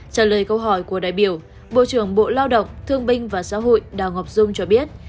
trả lời câu hỏi của đại biểu bộ trưởng bộ lao động thương binh và xã hội đào ngọc dung cho biết